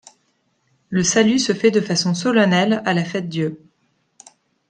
Le salut se fait de façon solennelle à la Fête-Dieu.